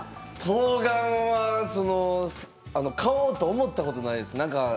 とうがんは買おうと思ったことないです